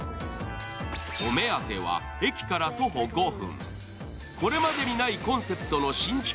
お目当ては駅から徒歩５分。